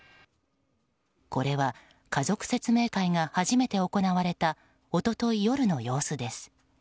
これは家族説明会が初めて行われた一昨日夜の様子です。